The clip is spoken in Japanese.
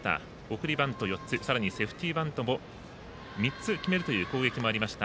送りバント４つさらにセーフティーバントも３つ決めるという攻撃もありました。